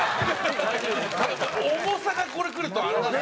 重さがこれくるとあれなんですね。